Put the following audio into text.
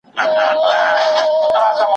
هغه موضوع چي مخینه نلري څېړل یې ګران دي.